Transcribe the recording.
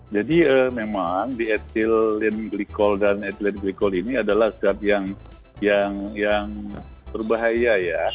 jadi memang diethylenglycol dan ethylenglycol ini adalah zat yang berbahaya ya